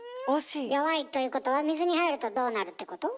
弱いということは水に入るとどうなるってこと？